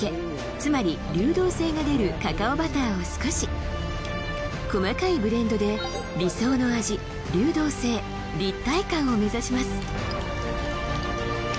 つまり流動性が出るカカオバターを少し細かいブレンドで理想の味流動性立体感を目指します